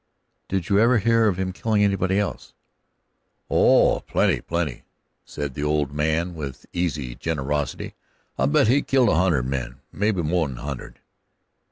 "Did you ever hear of him killing anybody else?" "Oh, plenty, plenty," said the old man with easy generosity. "I bet he's killed a hun'ed men maybe mo'n a hun'ed."